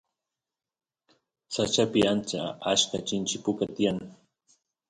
sachapi ancha achka chinchi puka tiyan